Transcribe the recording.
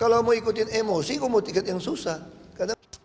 kalau mau ikutin emosi kok mau tiket yang susah